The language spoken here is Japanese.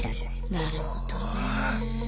なるほどね。